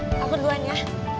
aku duluan ya